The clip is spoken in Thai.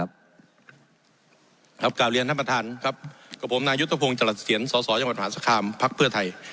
ครับกล่าวเรียนท่านประธานครับกับผมนายุทธพงศ์จรัสเซียนสอสอจังหวัดมหาสคามพักเพื่อไทย